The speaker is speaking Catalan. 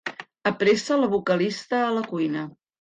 Apressa la vocalista a la cuina.